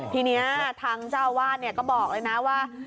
ทีนี้ทางเจ้าอาวาสก็บอกเลยนะว่า